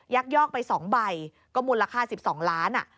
ยักยอกไป๒ใบก็มูลค่า๑๒ล้านบาท